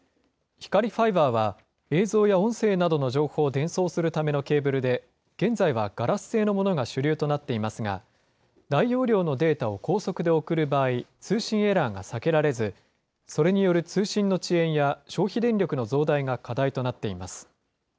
光ファイバーは、映像や音声などの情報を伝送するためのケーブルで、現在はガラス製のものが主流となっていますが、大容量のデータを高速で送る場合、通信エラーが避けられず、それによる通信の遅延や消費電力の増大が課題となっています。